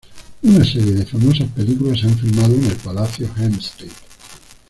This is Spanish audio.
Una serie de famosas películas se han filmado en el Palacio Hempstead.